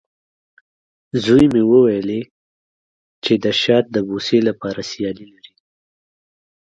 زوی مې وویلې، چې د شات د بوسې لپاره سیالي لري.